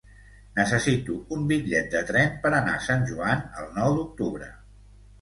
Necessito un bitllet de tren per anar a Sant Joan el nou d'octubre.